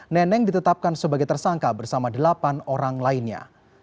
neneng ditetapkan sebagai tersangka bersama delapan orang lainnya